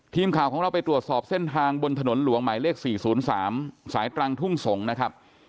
ทีมข่าวของเราไปตรวจสอบเส้นทางบนถนนหลวงหมายเลข๔๐๓สายตรังทุ่งสงศ์นะครับ